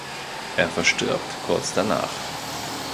Er verstirbt kurz danach.